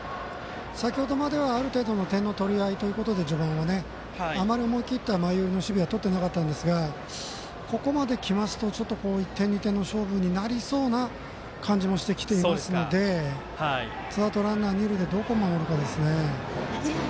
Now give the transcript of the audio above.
先ほどまではある程度点の取り合いということで序盤は、あまり思い切った前寄りの守備はとっていなかったんですがここまできますと１点、２点の勝負なりそうな感じもしてきているのでツーアウト、ランナー、二塁でどこ守るかですね。